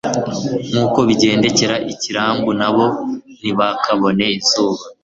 nk'uko bigendekera ikirambu, na bo ntibakabone izuba